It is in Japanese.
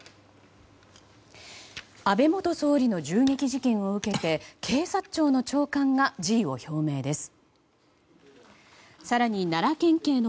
安倍元総理の銃撃事件を受けて警察庁の長官が辞意を表明です。